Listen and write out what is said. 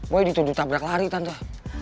boy dituduh tabrak lari tante